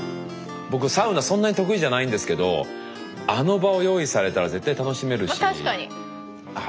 僕サウナそんなに得意じゃないんですけどあの場を用意されたら絶対楽しめるし。